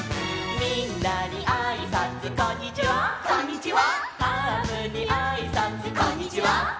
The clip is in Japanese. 「みんなであいさつこんにちは」